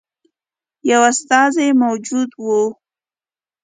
یو استازی موجود وو.